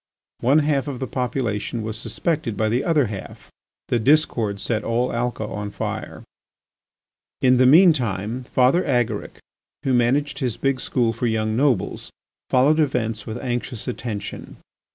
One half of the population was suspected by the other half. The discord set all Alca on fire. In the mean time Father Agaric, who managed his big school for young nobles, followed events with anxious attention.